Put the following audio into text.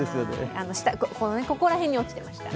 ここら辺に落ちてました。